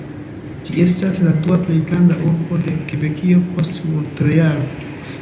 Ĝi estas la dua plej granda urbo de Kebekio, post Montrealo.